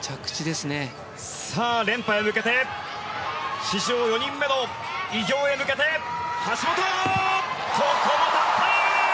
連覇へ向けて史上４人目の偉業へ向けて橋本！